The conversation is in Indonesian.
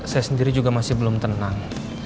saya sendiri juga masih belum tenang